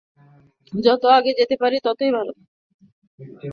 যত আগে যেতে পারি ততই ভালো।